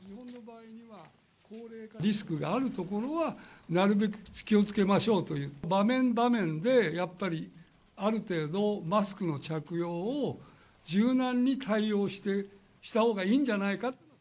リスクがある所は、なるべく気をつけましょうという、場面場面でやっぱりある程度、マスクの着用を柔軟に対応したほうがいいんじゃないか。